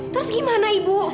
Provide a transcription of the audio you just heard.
terus gimana ibu